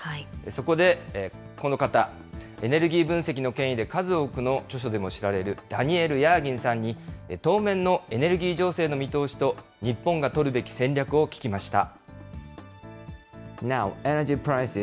そこでこの方、エネルギー分析の権威で、数多くの著書でも知られるダニエル・ヤーギンさんに当面のエネルギー情勢の見通しと、日本が取るべき戦略を聞きました。